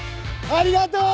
・ありがとう！